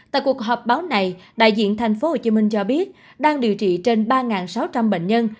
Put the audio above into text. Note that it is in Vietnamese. tại cuộc họp báo này đại diện tp hcm cho biết đang điều trị trên ba sáu trăm linh bệnh nhân